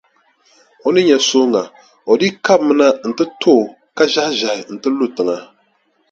O ni nya sooŋa, o dii kabimi na nti to o ka ʒɛhiʒɛhi nti lu tiŋa.